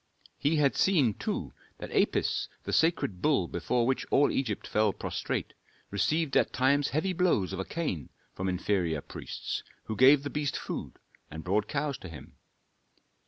He had seen, too, that Apis, the sacred bull before which all Egypt fell prostrate, received at times heavy blows of a cane from inferior priests, who gave the beast food and brought cows to him.